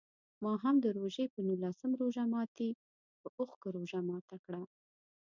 ما هم د روژې په نولسم روژه ماتي په اوښکو روژه ماته کړه.